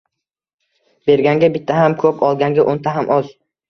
Berganga bitta ham ko‘p, olganga o‘nta ham oz